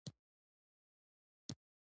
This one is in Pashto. زراعت د افغانستان یو لوی طبعي ثروت دی.